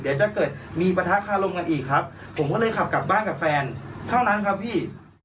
เดี๋ยวจะเกิดมีประทะคารมกันอีกครับผมก็เลยขับกลับบ้านกับแฟนเท่านั้นครับพี่